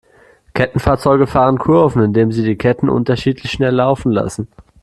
Kettenfahrzeuge fahren Kurven, indem sie die Ketten unterschiedlich schnell laufen lassen.